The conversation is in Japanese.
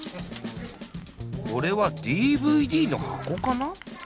これはＤＶＤのはこかな？